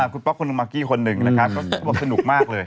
คุณป๊อกคุณลุงมากกี้คนหนึ่งนะครับเขาบอกสนุกมากเลย